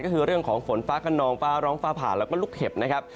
ก็คือเรื่องของฝนฟ้าขนองฟ้าร้องฟ้าผ่าแล้วก็ลูกเห็บนะครับ